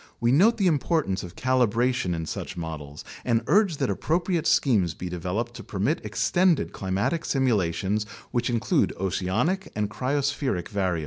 We note the importance of calibration in such models and urge that ap propriate schemes be developed to permit extended climatic simula tions which include oceanic and cryospheric variables.